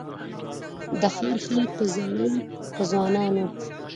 د ښار خلک که زاړه وه که ځوانان وه